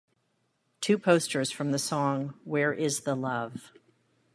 Two posters from the song Where Is the Love?